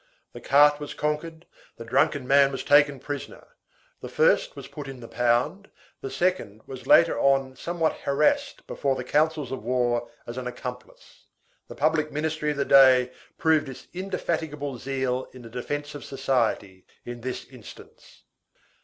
The cart was conquered, the drunken man was taken prisoner. The first was put in the pound, the second was later on somewhat harassed before the councils of war as an accomplice. The public ministry of the day proved its indefatigable zeal in the defence of society, in this instance.